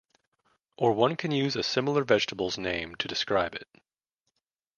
Or one can use a similar vegetable's name to describe it.